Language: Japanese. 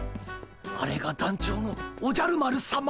あれが団長のおじゃる丸さま。